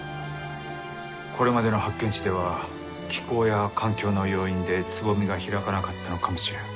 これまでの発見地では気候や環境の要因で蕾が開かなかったのかもしれん。